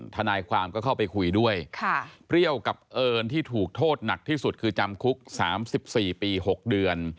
ทนายความก็เข้าไปคุยด้วยเปรี้ยวกับเอิญที่ถูกโทษหนักที่สุดคือจำคุก๓๔ปี๖เดือน